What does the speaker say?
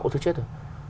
cô thưa chết rồi